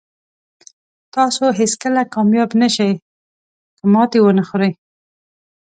تاسو هېڅکله کامیاب نه شئ که ماتې ونه خورئ.